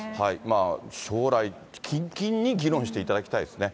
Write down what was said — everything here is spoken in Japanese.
将来、近々に議論していただきたいですね。